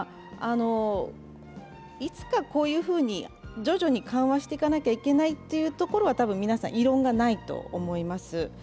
いつか、こういうふうに徐々に緩和していかなきゃいけないというところは多分、皆さん、異論はないと思います。